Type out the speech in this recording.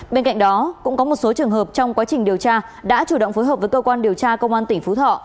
bên cạnh đó cũng có một số trường hợp trong quá trình điều tra đã chủ động phối hợp với cơ quan điều tra công an tỉnh phú thọ